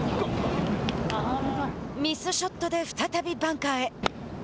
ミスショットで再びバンカーへ。